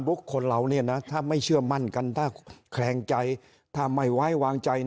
คนเราเนี่ยนะถ้าไม่เชื่อมั่นกันถ้าแคลงใจถ้าไม่ไว้วางใจ